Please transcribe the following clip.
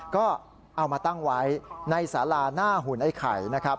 ก็เอามาตั้งไว้ในสาราหน้าหุ่นไอ้ไข่นะครับ